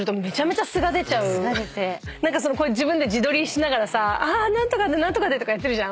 何か自分で自撮りしながらさ何とかでとかやってるじゃん。